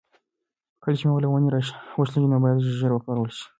کله چې مېوه له ونې را وشلیږي نو باید ژر وکارول شي.